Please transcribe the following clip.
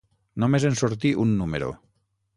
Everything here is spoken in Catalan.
Només en sortí un número.